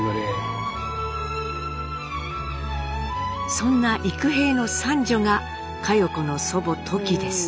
そんな幾平の３女が佳代子の祖母トキです。